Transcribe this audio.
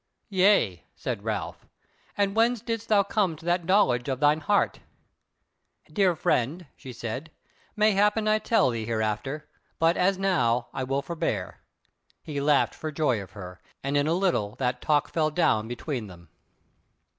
"Yea," said Ralph, "and when didst thou come to that knowledge of thine heart?" "Dear friend," she said, "mayhappen I may tell thee hereafter, but as now I will forbear." He laughed for joy of her, and in a little that talk fell down between them.